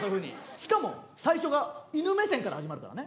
しかも最初が犬目線から始まるからね。